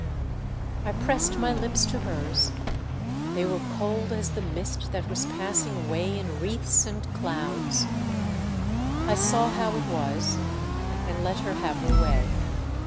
I pressed my lips to hers ; they were cold as the mist that was passing away in wreaths and clouds. I saw how it was and let her have her way.